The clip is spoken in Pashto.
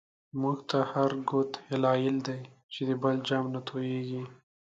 مونږ ته هر گوت هلایل دی، چی د بل جام نه توییږی